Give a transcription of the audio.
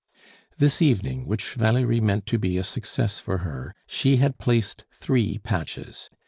This evening, which Valerie meant to be a success for her, she had placed three patches.